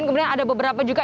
dan kemudian ada beberapa juga